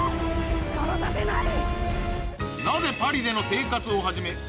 殺させない！